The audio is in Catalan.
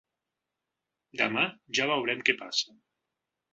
Demà ja veurem què passa.